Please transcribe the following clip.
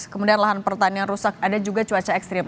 kemudian lahan pertanian rusak ada juga cuaca ekstrim